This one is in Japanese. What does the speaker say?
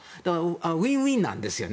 ウィンウィンなんですよね。